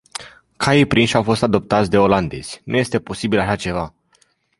Caii prinși, au fost adoptați de olandezi, nu este posibil așa ceva.